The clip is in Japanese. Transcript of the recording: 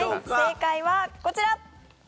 正解はこちら！